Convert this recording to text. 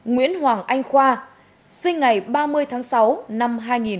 nguyễn hoàng anh khoa sinh ngày ba mươi tháng sáu năm hai nghìn